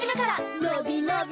のびのび